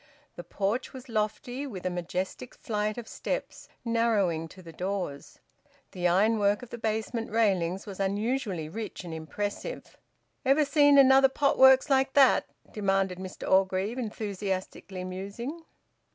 The porch was lofty, with a majestic flight of steps narrowing to the doors. The ironwork of the basement railings was unusually rich and impressive. "Ever seen another pot works like that?" demanded Mr Orgreave, enthusiastically musing.